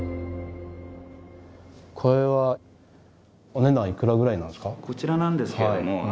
これは。こちらなんですけども。